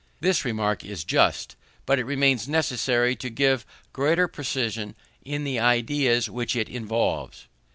This remark is just; but it seems necessary to give greater precision to the ideas which it involves.